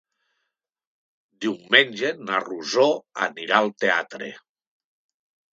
Diumenge na Rosó anirà al teatre.